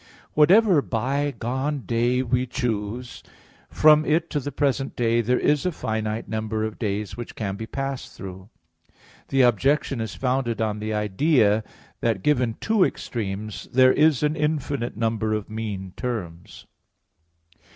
Whatever bygone day we choose, from it to the present day there is a finite number of days which can be passed through. The objection is founded on the idea that, given two extremes, there is an infinite number of mean terms.